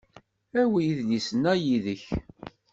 Awi idlisen-a yid-k.